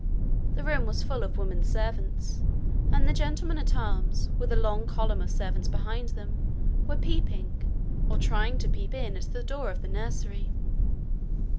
The room was full of women servants; and the gentlemen at arms, with a long column of servants behind them, were peeping, or trying to peep in at the door of the nursery.